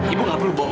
ibu gak perlu bohong